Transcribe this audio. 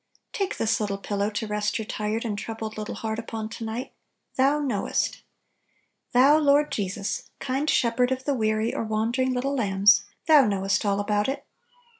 Take this little pillow to rest your tired and troubled little heart upon to night, "Thou knowest!" Thou, Lord Jesus, kind' Shepherd of the weary or wander ing little lambs, Thou knowest all about it!